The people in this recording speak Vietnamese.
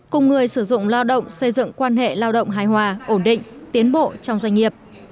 cùng người sử dụng lao động xây dựng quan hệ lao động hài hòa ổn định tiến bộ trong doanh nghiệp